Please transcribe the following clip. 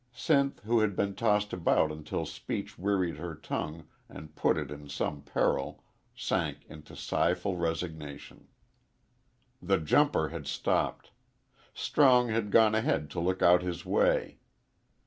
Sinth, who had been tossed about until speech wearied her tongue and put it in some peril, sank into sighful resignation. The jumper had stopped; Strong had gone ahead to look out his way.